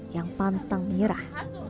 yang pantang mirah